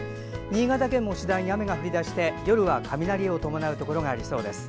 新潟県も次第に雨が降り出して夜は雷を伴うところがありそうです。